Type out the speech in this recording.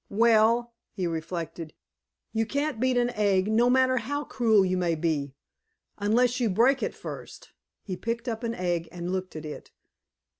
"Well," he reflected, "you can't beat an egg, no matter how cruel you may be, unless you break it first." He picked up an egg and looked at it.